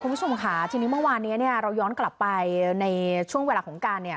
คุณผู้ชมค่ะทีนี้เมื่อวานเนี้ยเราย้อนกลับไปในช่วงเวลาของการเนี่ย